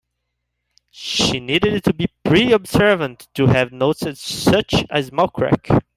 She needed to be pretty observant to have noticed such a small crack.